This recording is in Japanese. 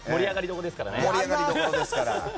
盛り上がりどころですからね。